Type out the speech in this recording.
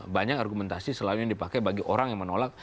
banyak argumentasi selalu yang dipakai bagi orang yang menolak